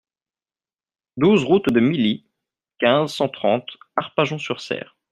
douze route de Milly, quinze, cent trente, Arpajon-sur-Cère